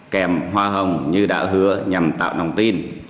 kèm hoa hồng như đã hứa nhằm tạo lòng tin